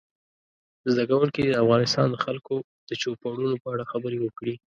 زده کوونکي دې د افغانستان د خلکو د چوپړونو په اړه خبرې وکړي.